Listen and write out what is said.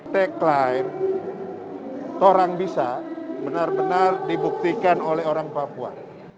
tagline orang bisa benar benar dibuktikan oleh orang papua